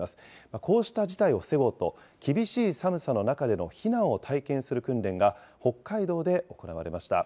こうした事態を防ごうと、厳しい寒さの中での避難を体験する訓練が、北海道で行われました。